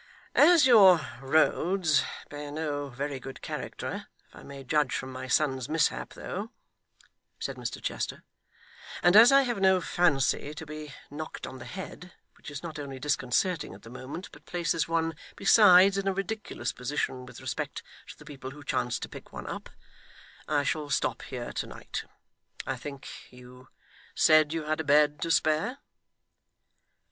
'As your roads bear no very good character, if I may judge from my son's mishap, though,' said Mr Chester, 'and as I have no fancy to be knocked on the head which is not only disconcerting at the moment, but places one, besides, in a ridiculous position with respect to the people who chance to pick one up I shall stop here to night. I think you said you had a bed to spare.